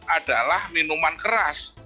adalah minuman keras